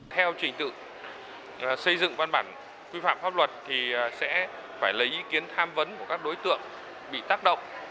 theo trình tự xây dựng văn bản quy phạm pháp luật thì sẽ phải lấy ý kiến tham vấn của các đối tượng bị tác động